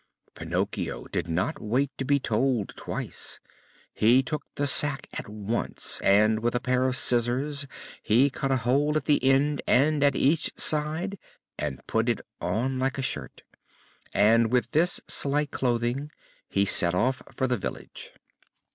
Pinocchio did not wait to be told twice. He took the sack at once and with a pair of scissors he cut a hole at the end and at each side, and put it on like a shirt. And with this slight clothing he set off for the village.